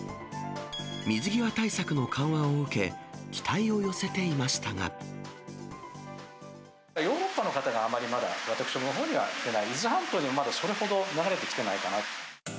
水際対策の緩和を受け、期待を寄ヨーロッパの方が、あまりまだ私どものほうには来ていない、伊豆半島には、まだそれほど流れてきてないかなと。